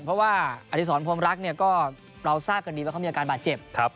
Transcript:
เพราะว่าอธิษรพรมรักเนี่ยก็เราทราบกันดีว่าเขามีอาการบาดเจ็บ